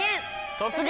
「突撃！